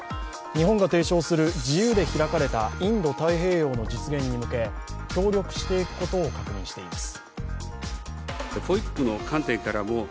日本が提唱する自由で開かれたインド太平洋の実現に向け、協力していくことを確認しています。